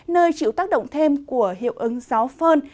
nơi chịu tác động thêm của hiệu ứng gió phơn